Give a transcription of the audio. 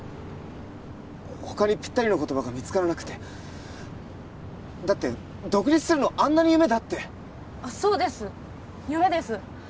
他にぴったりの言葉が見つからなくてだって独立するのあんなに夢だってそうです夢です